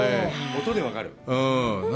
音で分かる。